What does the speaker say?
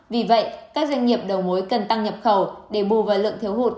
vì vậy các doanh nghiệp đầu mối cần tăng nhập khẩu để bù vào lượng thiếu hụt